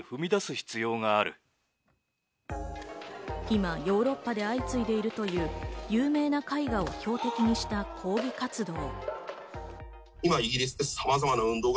今、ヨーロッパで相次いでいるという有名な絵画を標的にした抗議活動。